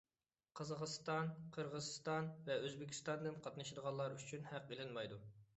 قازاقىستان، قىرغىزىستان ۋە ئۆزبېكىستاندىن قاتنىشىدىغانلار ئۈچۈن ھەق ئېلىنمايدۇ.